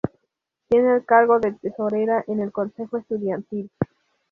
Tiene el cargo de Tesorera en el Consejo Estudiantil.